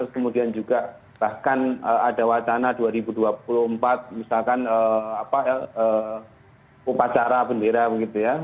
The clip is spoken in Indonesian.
kemudian juga bahkan ada wacana dua ribu dua puluh empat misalkan upacara bendera begitu ya